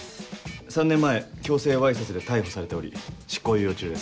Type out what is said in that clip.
３年前強制わいせつで逮捕されており執行猶予中です。